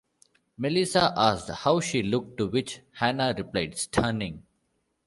Melissa asked how she looked to which Hannah replied "Stunning".